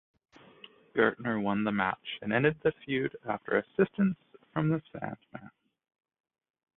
Gertner won the match and ended the feud after assistance from The Sandman.